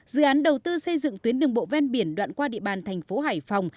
dự án đầu tư xây dựng tuyến đường bộ ven biển đoạn qua địa bàn thành phố hải phòng